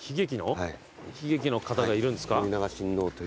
悲劇の方がいるんですか？